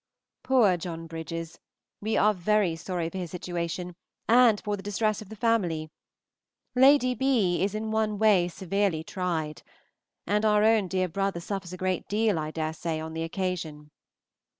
Poor John Bridges! we are very sorry for his situation and for the distress of the family. Lady B., is in one way severely tried. And our own dear brother suffers a great deal, I dare say, on the occasion.